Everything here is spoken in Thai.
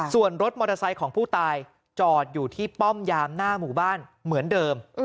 ส่วนรถมอเตอร์ไซค์ของผู้ตายจอดอยู่ที่ป้อมยามหน้าหมู่บ้านเหมือนเดิม